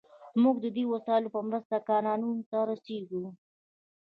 موږ د دې وسایلو په مرسته کانونو ته رسیږو.